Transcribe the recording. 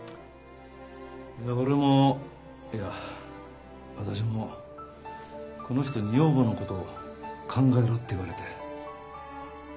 俺もいや私もこの人に女房の事を考えろって言われて。